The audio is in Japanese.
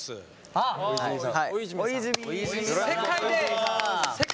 あっ大泉さん！